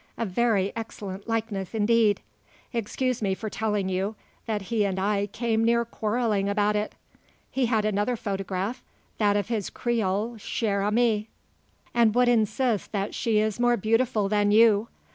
A very excellent likeness, indeed. Excuse me for telling you, that he and I came near quarrelling about it. He had another photograph that of his Creole chere amie and would insist that she is more beautiful than you.